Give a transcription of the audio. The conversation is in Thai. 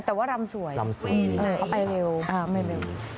แต่ว่ารำสวยรำสวยดีออกไปเร็วไม่เร็ว